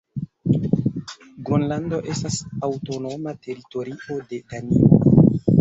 Gronlando estas aŭtonoma teritorio de Danio.